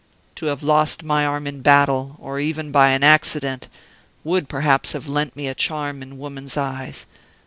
"To have lost my arm in battle, or even by an accident, would perhaps have lent me a charm in woman's eyes.